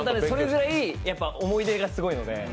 それぐらい思い出がすごいので。